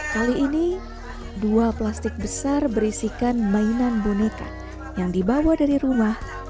kali ini dua plastik besar berisikan mainan boneka yang dibawa dari rumah